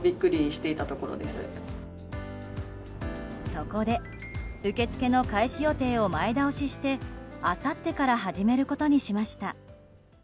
そこで、受け付けの開始予定を前倒ししてあさってから始めることにしました。